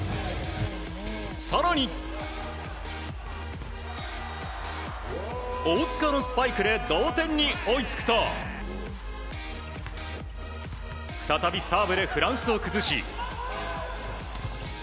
更に、大塚のスパイクで同点に追いつくと再びサーブでフランスを崩し。